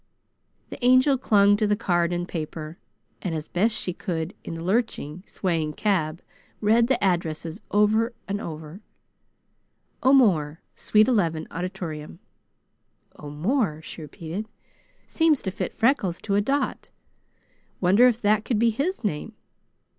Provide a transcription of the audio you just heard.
The Angel clung to the card and paper, and as best she could in the lurching, swaying cab, read the addresses over. "O'More, Suite Eleven, Auditorium." "'O'More,'" she repeated. "Seems to fit Freckles to a dot. Wonder if that could be his name?